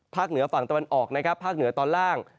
เหนือฝั่งตะวันออกนะครับภาคเหนือตอนล่าง